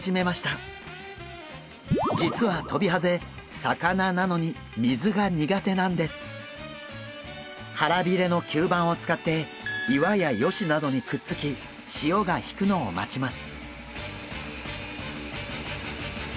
実はトビハゼ腹びれの吸盤を使って岩や葦などにくっつき潮が引くのを待ちます。